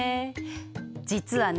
実はね